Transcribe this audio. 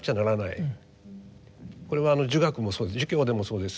これは儒学もそう儒教でもそうです。